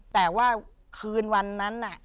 แต่ว่าคืนวันนั้น